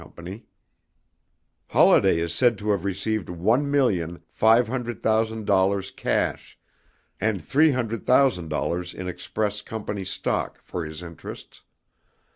Holladay is said to have received one million five hundred thousand dollars cash, and three hundred thousand dollars in express company stock for his interests.